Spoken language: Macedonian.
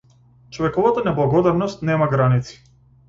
Човековата неблагодарност нема граници.